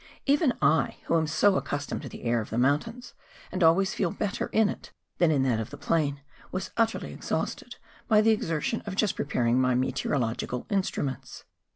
Even I, who am so accus¬ tomed to the air of mountains, and always feel better in it than in that of the plain, was utterly exhausted by the exertion of just preparing my me¬ teorological instruments.